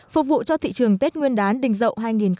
phục vụ cho thị trường tết nguyên đán đình dậu hai nghìn một mươi bảy